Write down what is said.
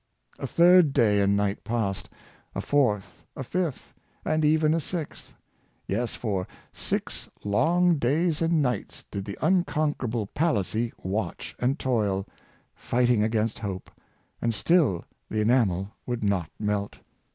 A third day and night passed — a fourth, a fifth, and even a sixth — yes, for six long days and nights did the unconquerable Palissy watch and toil, fighting against hope; and still the enamel would not melt.